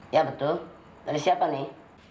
ya betul dari siapa nih